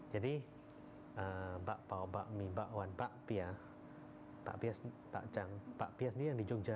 jadi bakpao bakmi bakwan bakpia bakpia sendiri yang di jogja